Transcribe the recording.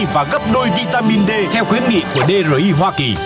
và cấp đôi vitamin d theo khuyến nghị của dri hoa kỳ